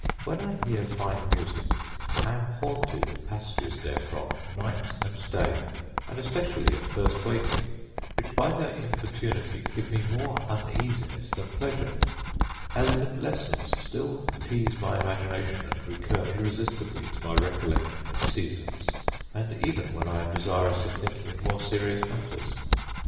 When I hear fine music I am haunted with passages therefrom night and day; and especially at first waking, which, by their importunity, give me more uneasiness than pleasure: elegant lessons still tease my imagination, and recur irresistibly to my recollection at seasons, and even when I am desirous of thinking of more serious matters.